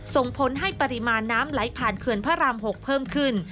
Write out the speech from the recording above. ส่งผลให้ปริมาณน้ำไหลผ่านเขื่อนพระราม๖เพิ่มขึ้น